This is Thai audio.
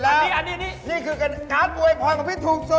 อันนี้นี่คือการอวยพรของพี่ถูกสุด